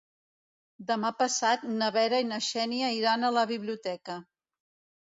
Demà passat na Vera i na Xènia iran a la biblioteca.